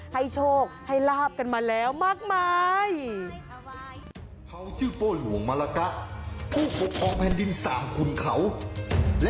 ให้โชคให้ลาบกันมาแล้วมากมาย